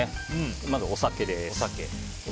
まず、お酒です。